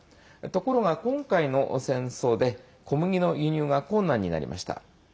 ところが、今回の戦争で小麦の輸入が困難になりました。